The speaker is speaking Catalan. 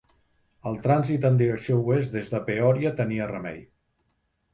El trànsit en direcció oest des de Peòria tenia remei.